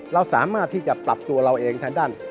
เราสามารถที่จะปรับตัวเราเองทางด้าน